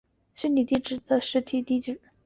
虚拟地址的实体地址。